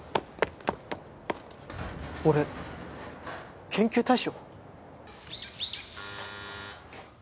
俺研究対象？